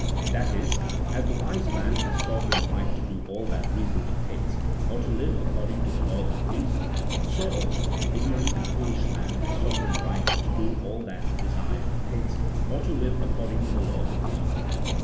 That is, as the wise man has sovereign right to do all that reason dictates, or to live according to the laws of reason, so also the ignorant and foolish man has sovereign right to do all that desire dictates, or to live according to the laws of desire.